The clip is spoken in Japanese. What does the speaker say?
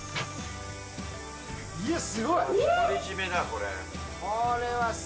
いや、すごい。